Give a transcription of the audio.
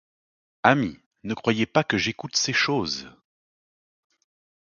Ami, ne croyez pas que j'écoute ces choses ;